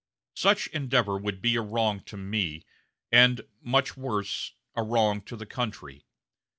Such endeavor would be a wrong to me, and, much worse, a wrong to the country.